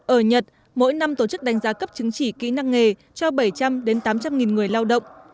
ở nhật mỗi năm tổ chức đánh giá cấp chứng chỉ kỹ năng nghề cho bảy trăm linh tám trăm linh người lao động